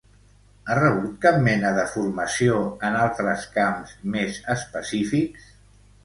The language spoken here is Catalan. Ha rebut cap mena de formació en altres camps més específics?